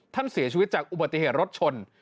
ท่านเสียชีวิตจากอุบัติเหตุรถชน